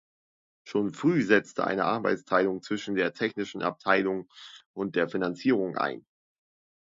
Schon früh setzte eine Arbeitsteilung zwischen der technischen Abteilung und der Finanzierung ein.